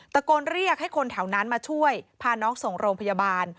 ตะโกนเรียกให้คนแถวนั้นมาช่วยพาน้องส่งโรงพยาบาล